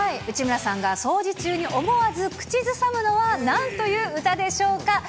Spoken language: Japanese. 内村さんが掃除中に思わず口ずさむのは、なんという歌でしょうか。